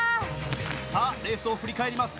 さあレースを振り返ります。